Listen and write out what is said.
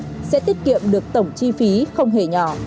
xét nghiệm sẽ tiết kiệm được tổng chi phí không hề nhỏ